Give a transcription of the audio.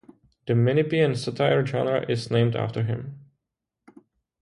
The Menippean satire genre is named after him.